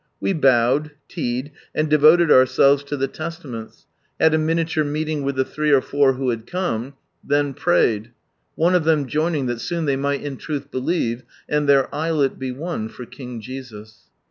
We bowed, tea'd, and devoted ourselves to die Testaments, had a. ; meeting with the three or four who had come, then prayed, one of them joining, that soon they might in truth "believe," and their islet be won for King Jesus.